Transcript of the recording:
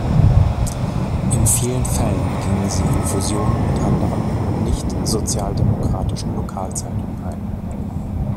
In vielen Fällen gingen sie in Fusionen mit anderen, nicht sozialdemokratischen Lokalzeitungen ein.